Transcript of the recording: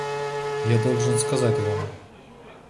Я должен сказать вам...